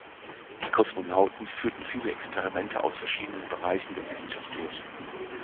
Die Kosmonauten führten viele Experimente aus verschiedenen Bereichen der Wissenschaft durch.